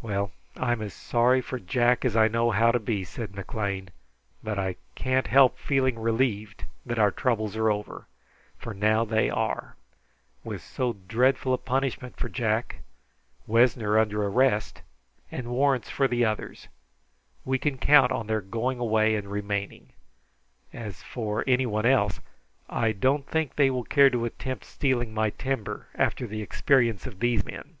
"Well, I'm as sorry for Jack as I know how to be," said McLean, "but I can't help feeling relieved that our troubles are over, for now they are. With so dreadful a punishment for Jack, Wessner under arrest, and warrants for the others, we can count on their going away and remaining. As for anyone else, I don't think they will care to attempt stealing my timber after the experience of these men.